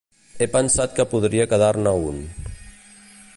He pensat que podria quedar-ne un.